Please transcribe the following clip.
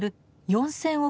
４，０００億